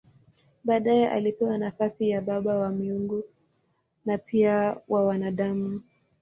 Baadaye alipewa nafasi ya baba wa miungu na pia wa wanadamu.